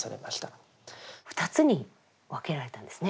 ２つに分けられたんですね。